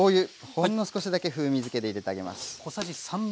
ほんの少しだけ風味づけで入れてあげます。